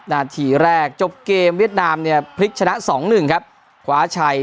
นาทีแรกจบเกมเวียดนามเนี่ยพลิกชนะสองหนึ่งครับคว้าชัย